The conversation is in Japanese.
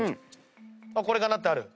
これかなってある？